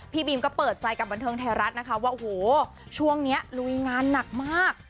บีมก็เปิดใจกับบันเทิงไทยรัฐนะคะว่าโอ้โหช่วงนี้ลุยงานหนักมาก